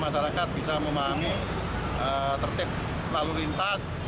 masyarakat bisa memahami tertib lalu lintas